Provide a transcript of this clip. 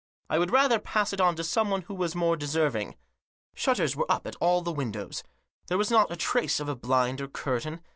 I would rather pass it on to someone who was more deserving. Shutters were up at all the windows. There was not a trace of a blind or curtain.